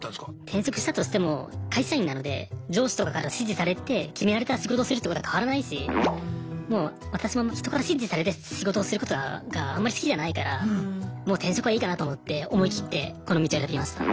転職したとしても会社員なので上司とかから指示されて決められた仕事をするってことは変わらないし私も人から指示されて仕事をすることがあんまり好きじゃないからもう転職はいいかなと思って思い切ってこの道を選びました。